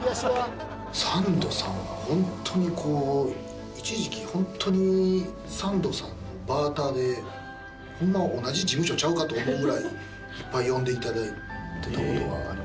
サンドさんはホントにこう一時期ホントにサンドさんのバーターでホンマは同じ事務所ちゃうかと思うぐらいいっぱい呼んで頂いてた事がありまして。